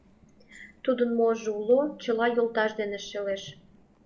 Тудын можо уло, чыла йолташ дене шелеш.